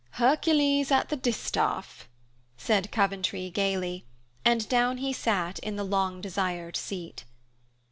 "Hercules at the distaff," said Coventry gaily, and down he sat in the long desired seat.